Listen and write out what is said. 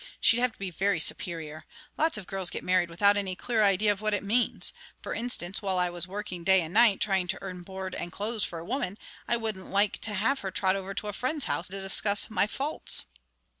"She'd have to be very superior. Lots of girls get married without any clear idea of what it means. For instance, while I was working day and night, trying to earn board and clothes for a woman, I wouldn't like to have her trot over to her friend's house to discuss my faults.